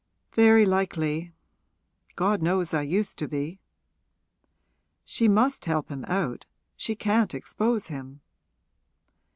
'Very likely. God knows I used to be!' 'She must help him out she can't expose him.'